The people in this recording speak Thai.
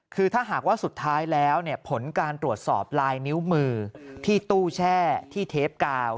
คือถ้าหากว่าสุดท้ายแล้วผลการตรวจสอบลายนิ้วมือที่ตู้แช่ที่เทปกาว